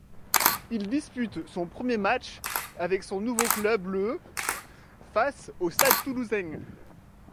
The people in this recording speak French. Il dispute son premier match avec son nouveau club le face au Stade toulousain.